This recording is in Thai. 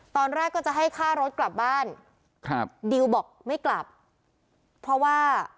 ตอนแรกก็จะให้ค่ารถกลับบ้านครับดิวบอกไม่กลับเพราะว่า